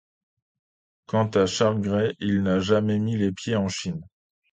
Quant à Charles Grey, il n'a jamais mis les pieds en Chine.